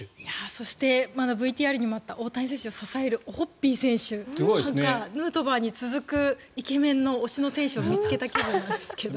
そして、ＶＴＲにもあった大谷選手を支えるオホッピー選手ヌートバーに続くイケメンの推しの選手を見つけた気分なんですけど。